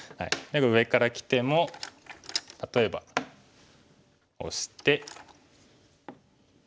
上からきても例えばオシて。